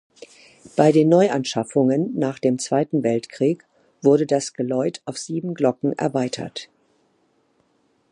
Bei den Neuanschaffungen nach dem Zweiten Weltkrieg wurde das Geläut auf sieben Glocken erweitert.